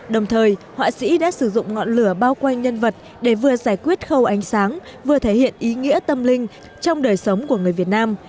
đồng thời họa sĩ đã sử dụng ngọn lửa bao quanh nhân vật để vừa giải quyết khâu ánh sáng vừa thể hiện ý nghĩa tâm linh trong đời sống của người việt nam